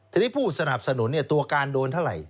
ทีนี้ผู้สนับสนุนตัวการโดนเท่าไหร่